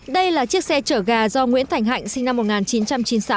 đây là chiếc xe chở gà do nguyễn thành hạnh sinh năm một nghìn chín trăm chín mươi sáu